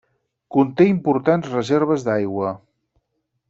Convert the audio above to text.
Conté importants reserves d'aigua.